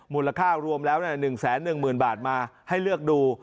มูลค่ารวมแล้ว๑แสน๑หมื่นบาทมาให้เลือกดู